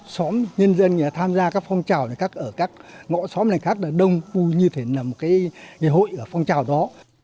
xóm nhân dân tham gia các phong trào này ở các ngõ xóm này khác là đông như thế là một cái hội ở phong trào đó